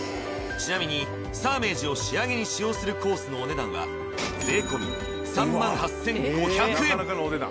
ちなみにサーメージを仕上げに使用するコースのお値段は税込３８５００円